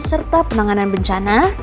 serta penanganan bencana